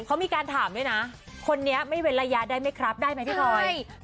เขามีการถามด้วยนะคนนี้ไม่เว้นระยะได้ไหมครับได้ไหมพี่พลอย